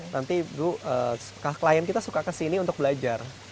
nanti bu klien kita suka kesini untuk belajar